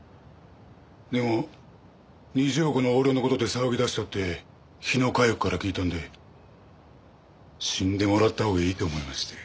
でも２０億の横領の事で騒ぎ出したって日野佳代子から聞いたんで死んでもらったほうがいいと思いまして。